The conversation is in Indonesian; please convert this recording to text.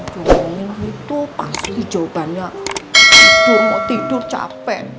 jangan gitu pasti jawabannya tidur mau tidur capek